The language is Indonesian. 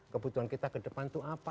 kebutuhan kita ke depan itu apa